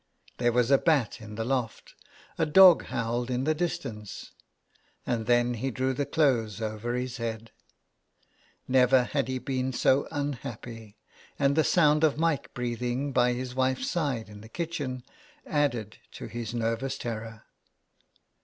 There was a bat in the loft — a dog howled in the distance — and then he drew the clothes over his head. Never had he been so unhappy, and the sound of Mike breathing by his wife's side in the kitchen added to his nervous terror.